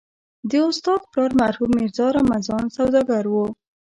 د استاد پلار مرحوم ميرزا رمضان سوداګر و.